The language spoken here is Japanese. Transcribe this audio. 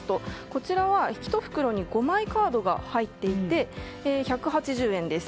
こちらは１袋に５枚、カードが入っていて１８０円です。